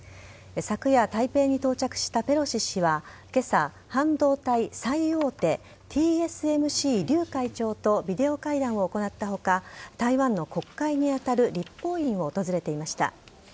昨夜、台北に到着したペロシ氏は今朝、半導体最大手ＴＳＭＣ、リュウ会長とビデオ会談を行った他台湾の国会に当たる立法院を訪れました。